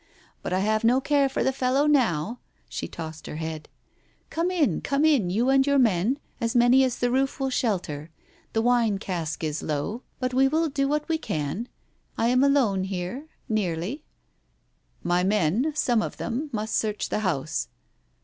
But I have no care for the fellow now." She tossed her head. "Come in, come in, you and your men, as many as the roof will shelter. Digitized by Google 172 TALES OF THE UNEASY The wine cask is low, but we will do what we can. I am alone here — nearly." " My men — some of them — must search the house."